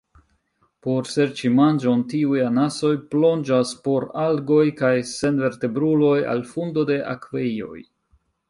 Por serĉi manĝon tiuj anasoj plonĝas por algoj kaj senvertebruloj al fundo de akvejoj.